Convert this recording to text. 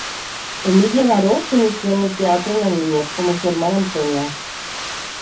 Emilia Baró se inició en el teatro en la niñez, como su hermana Antonia.